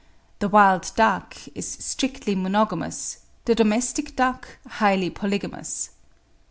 The wild duck is strictly monogamous, the domestic duck highly polygamous.